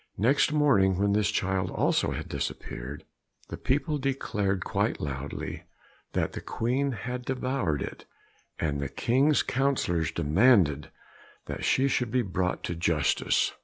Next morning, when this child also had disappeared, the people declared quite loudly that the Queen had devoured it, and the King's councillors demanded that she should be brought to justice.